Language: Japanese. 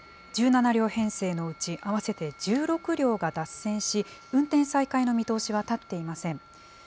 １７両編成のうち合わせて１６両が脱線し、運転再開の見通しは立っていません。